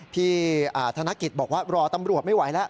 พี่ธนกิจบอกว่ารอตำรวจไม่ไหวแล้ว